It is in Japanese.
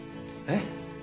えっ？